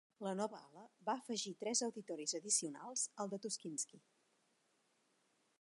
La nova ala va afegir tres auditoris addicionals al de Tuschinski.